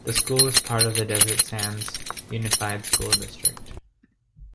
The school is a part of the Desert Sands Unified School District.